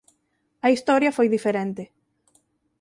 A historia foi diferente.